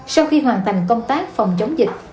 sau khi hoàn thành công tác phòng chống dịch